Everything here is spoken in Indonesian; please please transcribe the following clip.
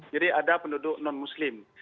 jadi ada penduduk non muslim